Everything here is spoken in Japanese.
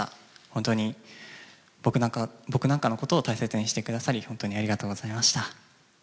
本当に僕なんかのことを大切にしてくださり本当にありがとうございました。